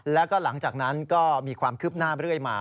แล้วก็หลังจากนั้นก็มีความคืบหน้าเรื่อยมา